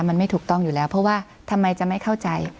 มันไม่ถูกต้องอยู่แล้วเพราะว่าทำไมจะไม่เข้าใจ